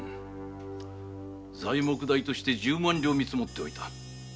材木代として十万両見積もっておいた。